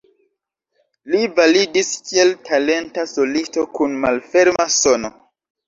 Li validis kiel talenta solisto kun malferma sono.